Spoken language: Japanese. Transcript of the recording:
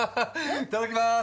いただきまーす！